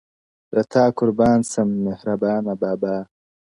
له تا قربان سم مهربانه بابا-